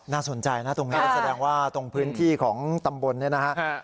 น่าสนใจนะตรงนี้ก็แสดงว่าตรงพื้นที่ของตำบลเนี่ยนะฮะ